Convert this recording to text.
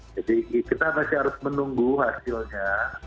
jadi kita masih harus menunggu hasilnya